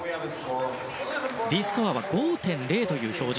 Ｄスコアは５．０という表示。